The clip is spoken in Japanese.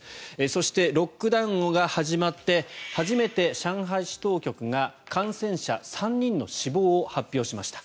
そして、ロックダウンが始まって初めて上海市当局が感染者３人の死亡を発表しました。